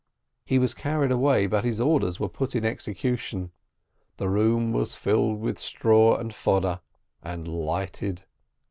He was carried away, but his orders were put in execution; the room was filled with straw and fodder, and lighted.